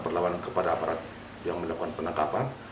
perlawanan kepada aparat yang melakukan penangkapan